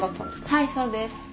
はいそうです。